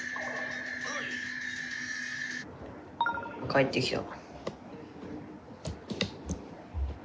帰ってきた。